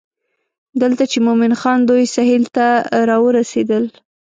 دلته چې مومن خان دوی سهیل ته راورسېدل.